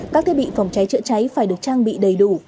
các thiết bị phòng cháy chữa cháy phải được trang bị đầy đủ